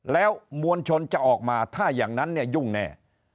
แล้วมวลชนจะออกมาถ้าอย่างนั้นเนี่ยยุ่งแน่